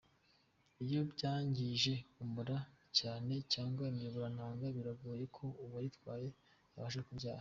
Iyo byangije umura cyane cyangwa imiyoborantanga biragoye ko uwabirwaye yabasha kubyara.